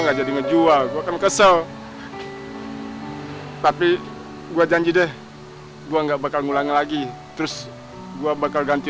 nggak jadi ngejual kesel tapi gua janji deh gua nggak bakal ngulang lagi terus gua bakal ganti